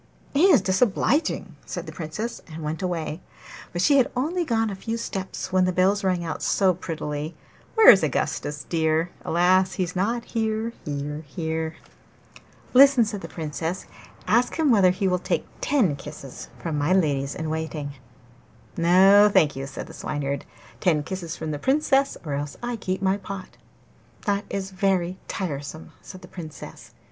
'He is disobliging!' said the Princess, and went away. But she had only gone a few steps when the bells rang out so prettily 'Where is Augustus dear? Alas! he's not here, here, here.' 'Listen!' said the Princess. 'Ask him whether he will take ten kisses from my ladies in waiting.' 'No, thank you,' said the Swineherd. 'Ten kisses from the Princess, or else I keep my pot.' 'That is very tiresome!' said the Princess.